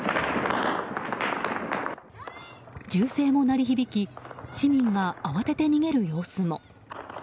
銃声も鳴り響き市民が慌てて逃げる様子も。